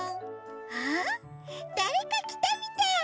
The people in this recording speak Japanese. あっだれかきたみたい！